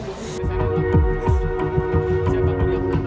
tidak ada yang bisa dianggap sebagai penyelamat